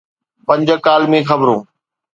پنج ڪالمي خبرون.